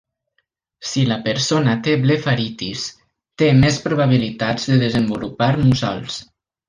Si la persona té blefaritis, té més probabilitats de desenvolupar mussols.